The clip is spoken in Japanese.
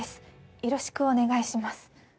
よろしくお願いします。